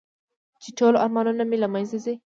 چې ټول ارمانونه مې له منځه ځي .